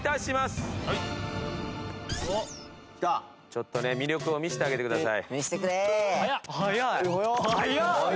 ちょっとね魅力を見せてあげてください。